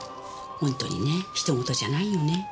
本当にねひとごとじゃないよね。